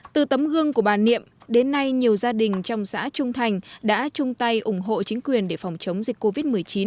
từ tấm gương của bà niệm đến nay nhiều gia đình trong xã trung thành đã chung tay ủng hộ chính quyền để phòng chống dịch covid một mươi chín